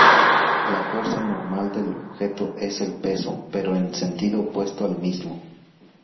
La fuerza normal del objeto es el peso, pero en sentido opuesto al mismo.